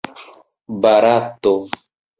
barato